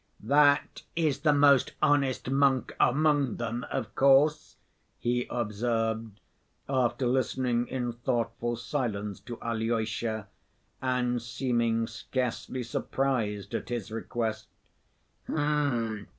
"That is the most honest monk among them, of course," he observed, after listening in thoughtful silence to Alyosha, and seeming scarcely surprised at his request.